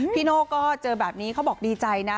โน่ก็เจอแบบนี้เขาบอกดีใจนะ